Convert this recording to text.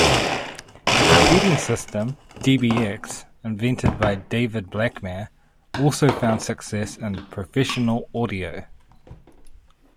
A competing system, dbx, invented by David Blackmer, also found success in professional audio.